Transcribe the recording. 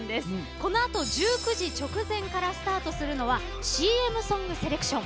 この後１９時直前からスタートするのはＣＭソングセレクション。